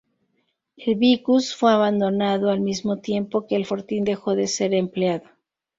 El "vicus" fue abandonado al mismo tiempo que el fortín dejó de ser empleado.